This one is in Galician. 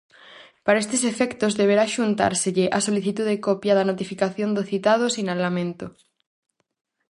Para estes efectos deberá xuntárselle á solicitude copia da notificación do citado sinalamento.